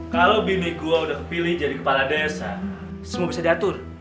kalau bini goa udah kepilih jadi kepala desa semua bisa diatur